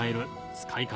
使い方